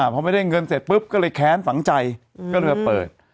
พอไม่ได้เงินเสร็จปุ๊บก็เลยแค้นฝังใจก็เลยเปิด